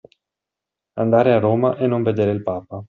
Andare a Roma e non vedere il Papa.